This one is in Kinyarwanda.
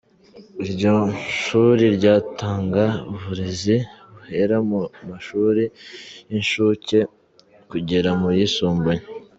Iryo shuri ryatanga uburezi buhera mu mashuri y'inshuke kugera mu yisumbuye.